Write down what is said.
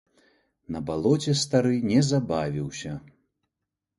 На балоце стары не забавіўся.